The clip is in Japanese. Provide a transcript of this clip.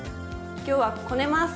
今日はこねます！